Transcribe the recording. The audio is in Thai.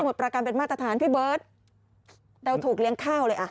สมุทรปรากรำเป็นมาตรฐานพี่เบิฟเดาถูกเลี้ยงข้าวเลยอ่ะ